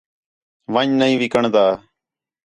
ون٘ڄ نہیں وِکݨدا